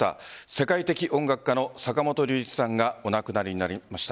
世界的音楽家の坂本龍一さんがお亡くなりになりました。